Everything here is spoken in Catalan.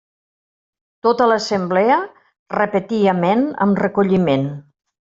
Tota l'assemblea repetí Amén amb recolliment.